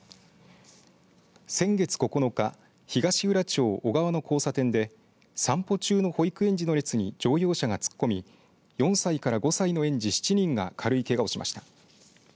先月９日東浦町緒川の交差点で散歩中の保育園児の列に乗用車が突っ込み４歳から５歳の園児７人が軽いけがをしました。